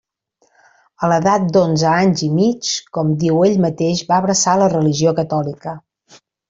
A l'edat d'onze anys i mig, com diu ell mateix, va abraçar la religió catòlica.